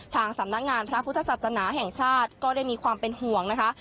ทางสำนักงานพระพุทธศาสนาแห่งชาติก็ได้มีความเป็นห่วงนะคะ